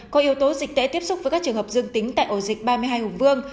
có yếu tố dịch tễ tiếp xúc với các trường hợp dương tính tại ổ dịch ba mươi hai hùng vương